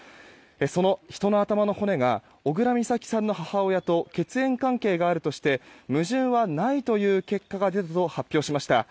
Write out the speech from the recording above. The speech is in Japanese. その人の頭の骨が小倉美咲さんの母親と血縁関係があるとして矛盾はないという結果が出たと発表しました。